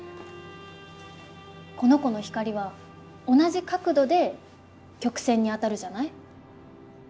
この子の光は同じ角度で曲線に当たるじゃない？